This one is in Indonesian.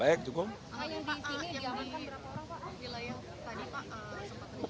yang di sini diamankan berapa orang pak